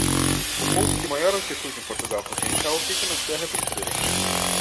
O ponto de maior altitude em Portugal Continental fica na Serra da Estrela.